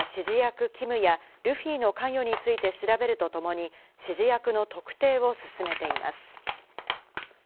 警視庁は指示役・キムやルフィの関与について調べるとともに指示役の特定を進めています。